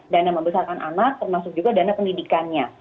dana membesarkan anak termasuk juga dana pendidikannya